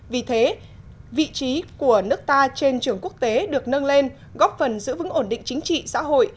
vì thế vị trí của nước ta trên trường quốc tế được nâng lên góp phần giữ vững ổn định chính trị xã hội